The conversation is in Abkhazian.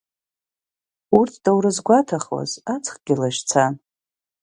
Урҭ даурызгәаҭахуаз, аҵхгьы лашьцан.